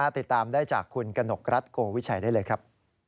ติดตามได้จากคุณกนกรัฐโกวิชัยได้เลยครับ